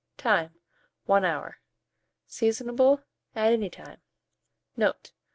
Time. 1 hour. Seasonable at any time. Note.